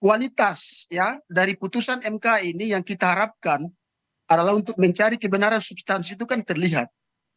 kualitas ya dari putusan mk ini yang kita harapkan adalah untuk mencari kebenaran substansi itu kan terlihat